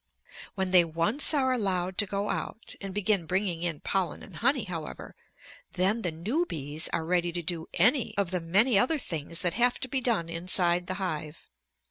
When they once are allowed to go out, and begin bringing in pollen and honey, however, then the new bees are ready to do any of the many other things that have to be done inside the hive.